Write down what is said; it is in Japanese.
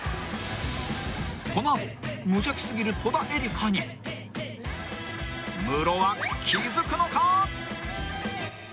［この後無邪気過ぎる戸田恵梨香にムロは気付くのか］